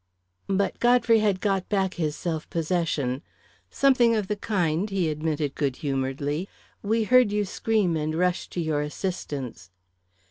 But Godfrey had got back his self possession. "Something of the kind," he admitted good humouredly. "We heard you scream and rushed to your assistance."